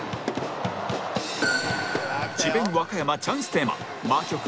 智弁和歌山チャンステーマ